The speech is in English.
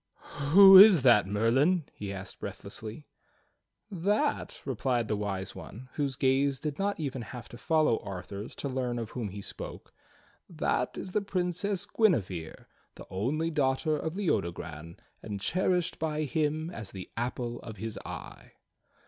'Who is that. Merlin?" he asked breathlessly. "That," replied the Wise One whose gaze did not even have to follow Arthur's to learn of whom he spoke, "That is the Princess Guinevere, the only daughter of Leodogran and cherished by him as the apple of his eye."